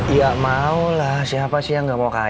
ya mau lah siapa sih yang nggak mau kaya